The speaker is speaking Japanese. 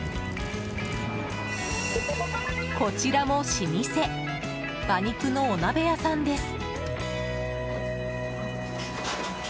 こちらも老舗馬肉のお鍋屋さんです。